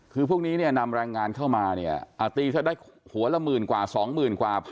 คือพวกนี้เนี่ยนำแรงงานเข้ามาเนี่ยตีซะได้หัวละหมื่นกว่าสองหมื่นกว่า